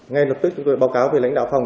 ngay lập tức chúng tôi báo cáo về lãnh đạo phòng